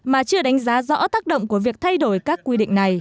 mà chưa đánh giá rõ tác động của việc thay đổi các quy định này